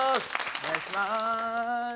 お願いします。